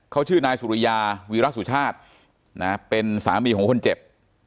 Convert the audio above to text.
เขาชื่อนายสุริยาวีรสุชาตินะเป็นสามีของคนเจ็บ